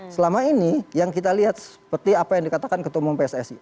selama ini yang kita lihat seperti apa yang dikatakan ketua umum pssi